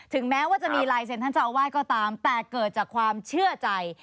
แม้ว่าจะมีลายเซ็นท่านเจ้าอาวาสก็ตามแต่เกิดจากความเชื่อใจ